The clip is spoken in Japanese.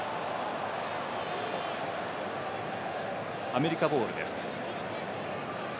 アメリカボールです。